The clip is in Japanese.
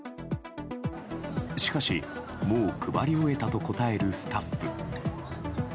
しかし、もう配り終えたと答えるスタッフ。